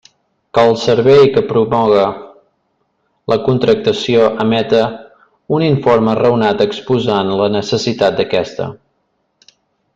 Que el servei que promoga la contractació emeta un informe raonat exposant la necessitat d'aquesta.